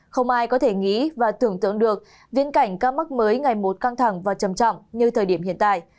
không ai có thể nghĩ và tưởng tượng được viễn cảnh ca mắc mới ngày một căng thẳng và trầm trọng như thời điểm hiện tại